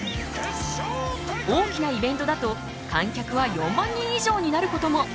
大きなイベントだと観客は４万人以上になることも！